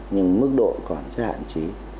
nhưng mức độ còn rất hạn chí